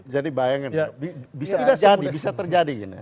jadi bayangin bisa terjadi